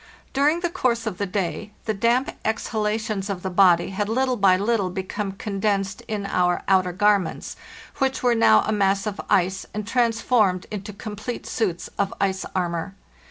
During the course of the day the damp exhalations of the body had little by little become condensed in our outer garments, which were now a mass of ice and transformed into complete suits of ice armor.